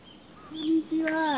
こんにちは。